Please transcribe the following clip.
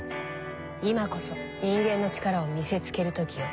今こそ人間の力を見せつける時よ。